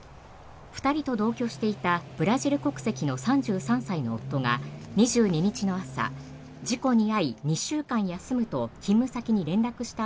２人と同居していたブラジル国籍の３３歳の夫が２２日の朝事故に遭い２週間休むと勤務先に連絡した